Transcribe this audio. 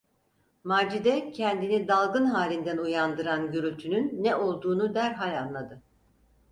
Macide kendini dalgın halinden uyandıran gürültünün ne olduğunu derhal anladı.